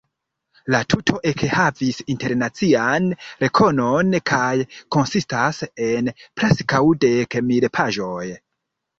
La tuto ekhavis internacian rekonon kaj konsistas en preskaŭ dek mil paĝoj.